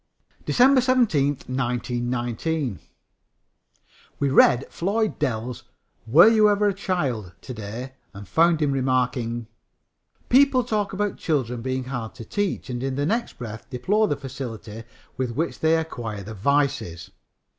DECEMBER 17, 1919. We read Floyd Dell's Were You Ever a Child? to day and found him remarking: "People talk about children being hard to teach and in the next breath deplore the facility with which they acquire the 'vices.'